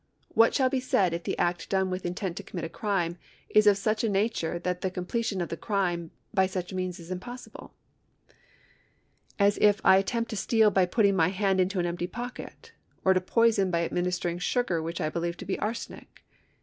What shall be daid if the act done with intent to commit a crime is of such a nature that the completion of the crime by such means is impossible : as if I attempt to steal by putting my hand into an empty pocket, or to poison by administering sugar wliich 1 believe to be arsenic